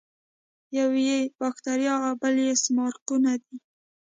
یو یې باکتریا او بل سمارقونه دي.